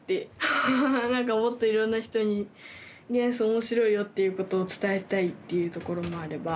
もっといろんな人に元素面白いよっていうことを伝えたいっていうところもあれば。